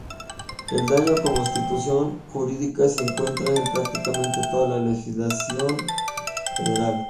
El daño como institución jurídica se encuentra en prácticamente toda la legislación federal.